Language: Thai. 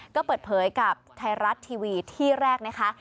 ก็เปิดเผยกับไทยรัฐทีวีที่แรกนะคะ